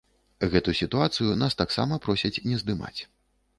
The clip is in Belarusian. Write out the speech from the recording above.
Гэту сітуацыю нас таксама просяць не здымаць.